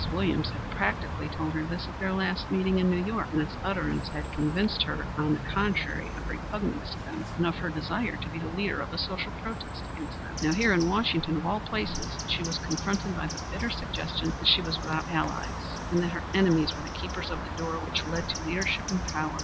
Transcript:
Williams had practically told her this at their last meeting in New York, and its utterance had convinced her on the contrary of repugnance to them, and of her desire to be the leader of a social protest against them. Now here, in Washington of all places, she was confronted by the bitter suggestion that she was without allies, and that her enemies were the keepers of the door which led to leadership and power.